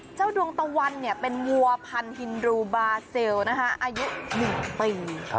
เจ้าดวงตะวันเนี่ยเป็นวัวพันธ์ฮินดูบาเซลนะฮะอายุ๑ปี